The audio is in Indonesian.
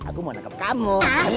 aku mau nangkep kamu